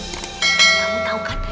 kamu tahu kan